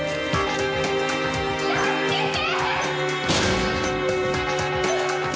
助けて！！